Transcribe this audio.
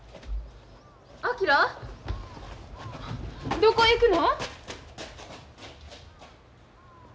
どこへ行くの？